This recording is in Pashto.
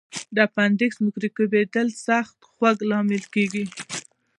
د اپنډکس میکروبي کېدل سخت خوږ لامل کېږي.